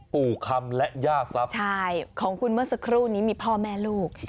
ปู่คำและย่าทรัพย์ใช่ของคุณเมื่อสักครู่นี้มีพ่อแม่ลูก